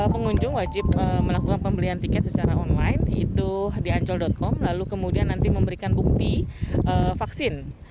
pengunjung wajib melakukan pembelian tiket secara online itu di ancol com lalu kemudian nanti memberikan bukti vaksin